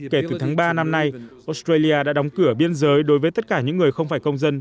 kể từ tháng ba năm nay australia đã đóng cửa biên giới đối với tất cả những người không phải công dân